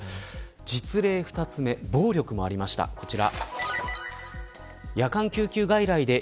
実例２つ目暴力もありました、こちら。